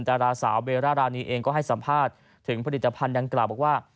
ดาราสาวเบร่ารานีเองก็ให้สัมภาษณ์ถึงผลิตภัณฑ์ดังกล่าวบอกว่า